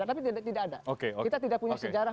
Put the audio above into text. tapi tidak ada kita tidak punya sejarah